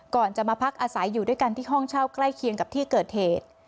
ก่อนจะมาพักอาศัยอยู่ด้วยกันที่ห้องเช่าใกล้เคียงกับที่เกิดเหตุ